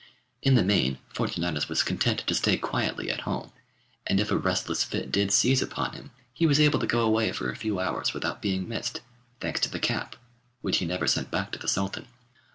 In the main, Fortunatus was content to stay quietly at home, and if a restless fit did seize upon him, he was able to go away for a few hours without being missed, thanks to the cap, which he never sent back to the Sultan.